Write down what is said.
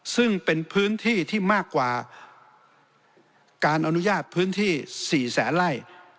ซึ่งเป็นพื้นที่ที่มากกว่าการอนุญาตพื้นที่๔แสนไล่